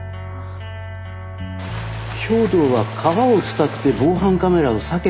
兵藤は川を伝って防犯カメラを避けたんだね。